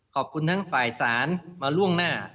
ขอบคุณทั้งฝ่ายศาลมาล่วงหน้า